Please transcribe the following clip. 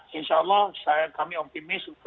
insya allah kami optimis